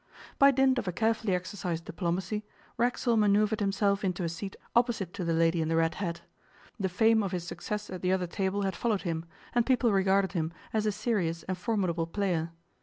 By dint of a carefully exercised diplomacy, Racksole manoeuvred himself into a seat opposite to the lady in the red hat. The fame of his success at the other table had followed him, and people regarded him as a serious and formidable player.